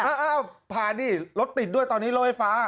อ้าวผ่านดิรถติดด้วยตอนนี้รถไฟฟ้า